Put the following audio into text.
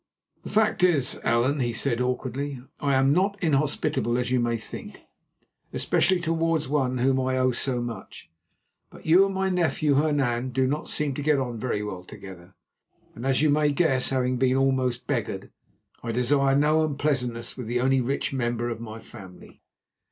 "The fact is, Allan," he said awkwardly, "I am not inhospitable as you may think, especially towards one to whom I owe so much. But you and my nephew, Hernan, do not seem to get on very well together, and, as you may guess, having just been almost beggared, I desire no unpleasantness with the only rich member of my family."